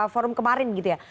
forum kemarin gitu ya